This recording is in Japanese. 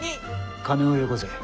金をよこせ。